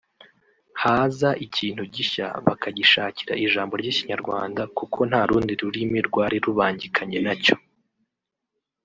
Haza ikintu gishya bakagishakira ijambo ry’Ikinyarwanda kuko nta rundi rurimi rwari rubangikanye na cyo